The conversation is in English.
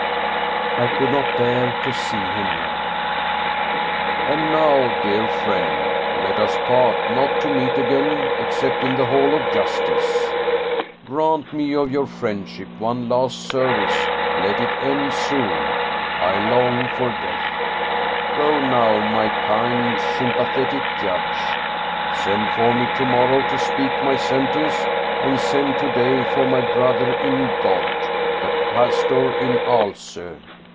I could not bear to see him now. And now, dear friend, let us part, not to meet again except in the hall of justice. Grant me of your friendship one last service, let it end soon. I long for death. Go now, my kind, sympathetic judge. Send for me to morrow to speak my sentence, and send to day for my brother in God, the pastor in Aalso.